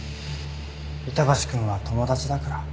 板橋くんは友達だから。